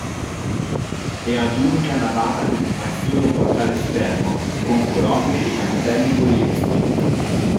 È ad unica navata con un maestoso portale esterno, con colonne e capitelli corinzi.